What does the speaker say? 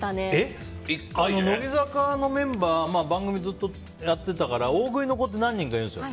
乃木坂のメンバー番組ずっとやってたから大食いの子って何人かいるんですよ。